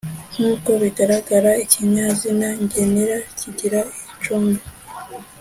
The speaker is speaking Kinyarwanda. nk’uko bigaragara, ikinyazina ngenera kigira igicumbi